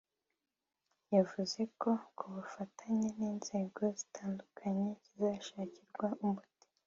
yavuze ko ku bufatanye n’inzego zitandukanye kizashakirwa umuti